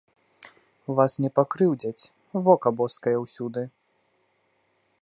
Вас не пакрыўдзяць, вока боскае ўсюды.